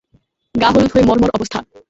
গা হলুদ হয়ে মরমর অবস্থা।